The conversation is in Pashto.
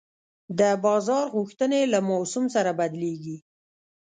د بازار غوښتنې له موسم سره بدلېږي.